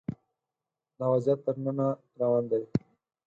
دا وضعیت تر ننه روان دی